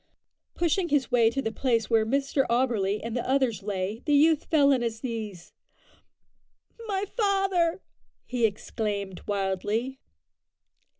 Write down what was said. Pushing his way to the place where Mr Auberly and the others lay, the youth fell on his knees. "My father!" he exclaimed wildly.